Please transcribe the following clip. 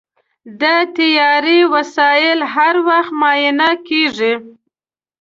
د طیارې وسایل هر وخت معاینه کېږي.